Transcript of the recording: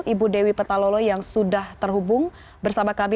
ibu dewi petalolo yang sudah terhubung bersama kami